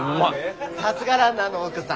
さすがランナーの奥さん！